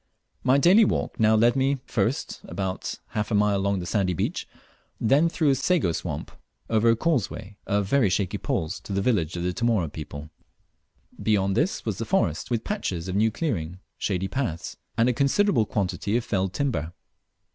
My daily walk now led me, first about half a mile along the sandy beach, then through a sago swamp over a causeway of very shaky poles to the village of the Tomore people. Beyond this was the forest with patches of new clearing, shady paths, and a considerable quantity of felled timber.